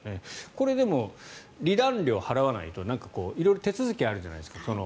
これはでも、離檀料を払わないと色々と手続きがあるじゃないですか。